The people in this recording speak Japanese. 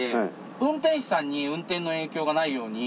運転手さんに運転の影響がないように。